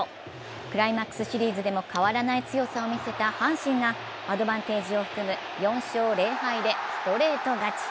クライマックスシリーズでも変わらない強さを見せた阪神がアドバンテージを含む４勝０敗でストレート勝ち。